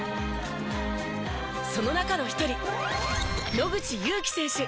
その中の一人野口佑季選手。